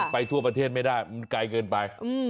ทั่วประเทศไม่ได้มันไกลเกินไป